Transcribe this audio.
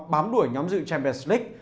bám đuổi nhóm dự champions league